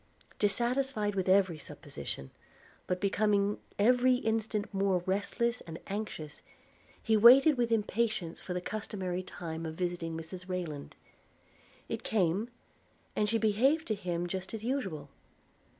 Dissatisfied with every supposition, but becoming every instant more restless and anxious, he waited with impatience for the customary time of visiting Mrs Rayland. It came, and she behaved to him just as usual.